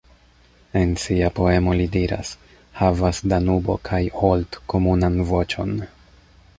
En sia poemo li diras: Havas Danubo kaj Olt komunan voĉon.